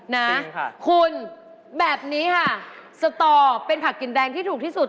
นะคุณแบบนี้ค่ะสตอเป็นผักกินแดงที่ถูกที่สุด